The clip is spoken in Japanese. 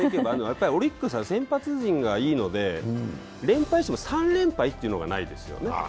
やはりオリックスは先発陣がいいので連敗しても３連敗というのがないですよね。